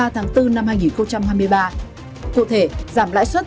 ba tháng bốn năm hai nghìn hai mươi ba cụ thể giảm lãi suất